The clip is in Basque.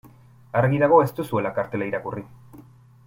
Argi dago ez duzuela kartela irakurri.